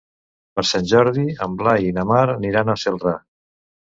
Per Sant Jordi en Blai i na Mar aniran a Celrà.